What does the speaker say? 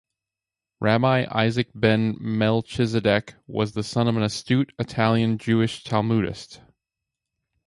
Rabbi Isaac ben Melchizedek was the son of an astute Italian Jewish Talmudist.